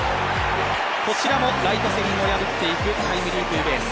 こちらもライト線をやぶっていくタイムリーツーベース。